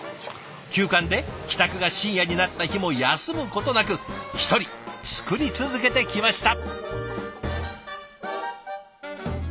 急患で帰宅が深夜になった日も休むことなく一人作り続けてきました。